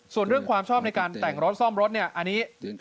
ส่วนเรื่องความชอบในการแต่งรถซ่อมรถนี่